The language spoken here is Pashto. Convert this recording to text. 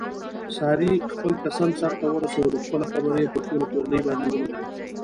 سارې خپل قسم سرته ورسولو خپله خبره یې په ټوله کورنۍ باندې ومنله.